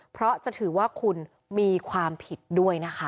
เพราะจะถือว่าคุณมีความผิดด้วยนะคะ